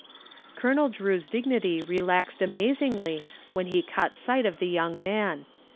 Colonel Drew's dignity relaxed amazingly when he caught sight of the young man.